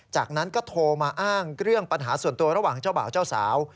จากนั้นก็โทรมาอ้างเรื่องปัญหาส่วนตัวระหว่างเจ้าบ่าวเจ้าสาว